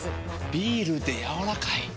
ビールでやわらかい。